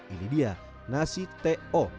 ini dia nasi to